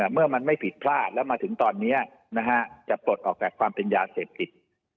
เมื่อมันไม่ผิดพลาดแล้วมาถึงตอนนี้จะปลดออกจากความเป็นยาเสพติด